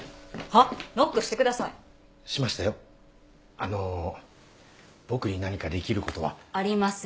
あの僕に何かできることは？ありません。